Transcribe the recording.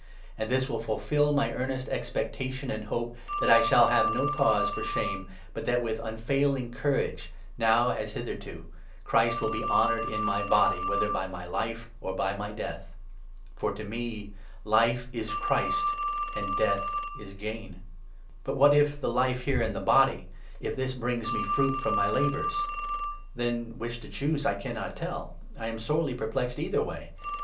And this will fulfil my 20 earnest expectation and hope that I shall have no cause for shame, but that, with unfailing courage, now as hitherto, Christ will be honoured in my body, whether by my life or by my death. Lifa For to me life is Christ, and death is gain. But 21, or what if the life here in the body — if this brings Death. me fruit from my labours ? Then which to choose I cannot tell ! I am sorely perplexed either way